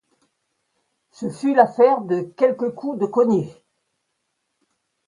Ce fut l’affaire de quelques coups de cognée.